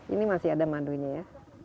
ini masih ada madunya ya